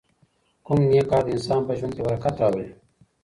کوم نېک کار د انسان په ژوند کې برکت راولي؟